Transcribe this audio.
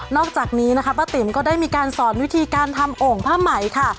อกจากนี้นะคะป้าติ๋มก็ได้มีการสอนวิธีการทำโอ่งผ้าไหมค่ะ